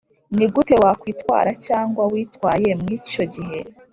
Ni gute wakwitwara cyangwa witwaye mwicyo gihe?